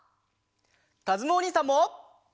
かずむおにいさんも。